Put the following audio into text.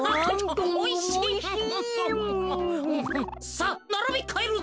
さあならびかえるぞ。